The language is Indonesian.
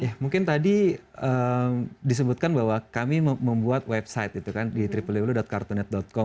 ya mungkin tadi disebutkan bahwa kami membuat website itu kan di tww kartunet com